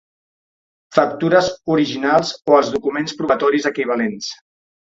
Factures originals o els documents probatoris equivalents.